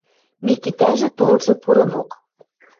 Микитӓжӹ толжы пурынок.